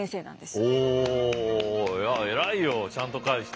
偉いよちゃんと返して。